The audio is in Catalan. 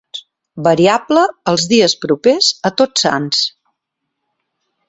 Variable els dies propers a Tots Sants.